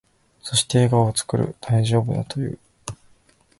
そして、笑顔を作る。大丈夫だと言う。